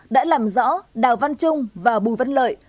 đã làm rõ đào văn trung và bùi văn lợi